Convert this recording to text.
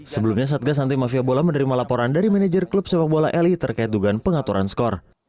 sebelumnya satgas anti mafia bola menerima laporan dari manajer klub sepak bola eli terkait dugaan pengaturan skor